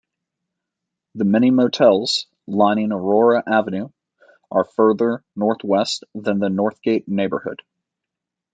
The many motels lining Aurora Avenue are further northwest than the Northgate neighborhood.